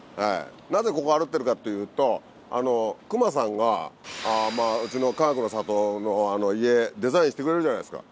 なぜここを歩いているかというと隈さんがうちのかがくの里の家デザインしてくれるじゃないですか。